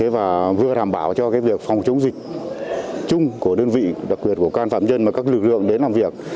và vừa đảm bảo cho việc phòng chống dịch chung của đơn vị đặc biệt của can phạm nhân và các lực lượng đến làm việc